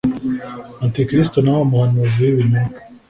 Antikristo na wa muhanuzi w'ibinyoma